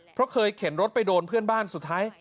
เพราะเคยเข็นรถไปโดนเพื่อนบ้านสุดท้าย